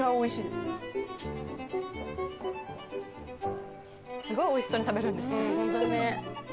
すごいおいしそうに食べるんですよ。